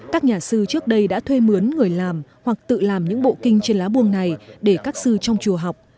các nhà sư trước đây đã thuê mướn người làm hoặc tự làm những bộ kinh trên lá buông này để các sư trong chùa học